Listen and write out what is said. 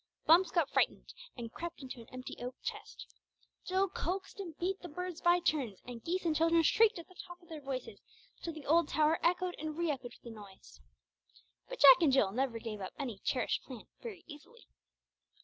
Bumps got frightened, and crept into an empty oak chest. Jill coaxed and beat the birds by turns, and geese and children shrieked at the top of their voices, till the old tower echoed and re echoed with the noise. But Jack and Jill never gave up any cherished plan very easily.